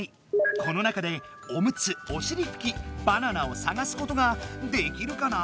この中でおむつおしりふきバナナをさがすことができるかな？